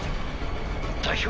代表。